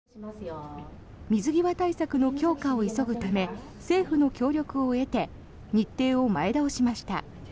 水際対策の強化を急ぐため政府の協力を得て日程を前倒しました。